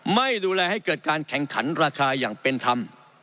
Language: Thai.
ไม่ดูแลให้เกิดการแข่งขันราคาอย่างเป็นธรรม